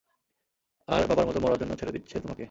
আর বাবার মতো মরার জন্য ছেড়ে দিচ্ছে তোমাকে।